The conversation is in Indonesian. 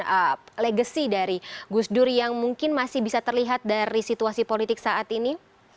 apa legacy dari gus dur yang mungkin masih bisa terlihat dari situasi politik saat ini